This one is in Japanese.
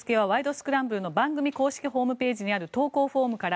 スクランブル」の番組公式ホームページにある投稿フォームから。